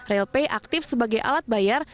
rlp aktif sebagai alat bayar